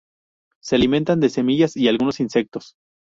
Se alimentan de semillas y algunos insectos.